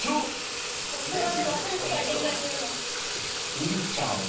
いずちゃんは。